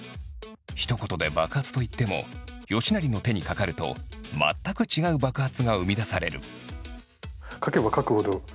ひと言で爆発といっても吉成の手にかかると全く違う爆発が生み出される。